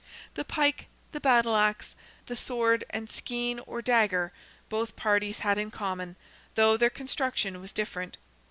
The pike, the battle axe, the sword, and skein, or dagger, both parties had in common, though their construction was different.